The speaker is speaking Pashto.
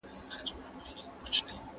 که میندې اشپزې وي نو میلمانه به وږي نه وي.